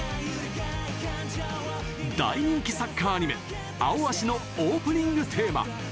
大人気サッカーアニメ「アオアシ」のオープニングテーマ。